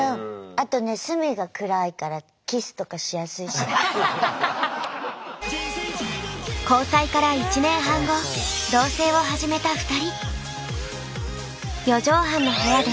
あとね交際から１年半後同棲を始めた２人。